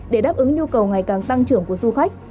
để đáp ứng nhu cầu ngày càng tăng trưởng của du khách